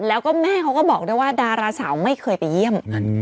แล้วก็แม่เขาก็บอกด้วยว่าดาราสาวไม่เคยไปเยี่ยม